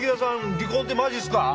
離婚ってマジすか？